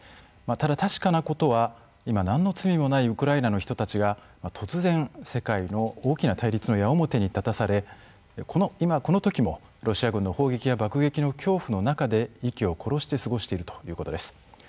ただ確かなことは今、なんの罪もないウクライナの人たちが突然、世界の大きな対立の矢面に立たされ今、このときもロシア軍の砲撃や爆撃の恐怖の中で息を殺して過ごしているということです。